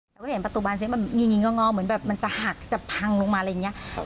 เราก็เห็นประตูบันเสียงมันงิ้งงิ้งก็งอกเหมือนแบบมันจะหักจะพังลงมาอะไรอย่างเงี้ย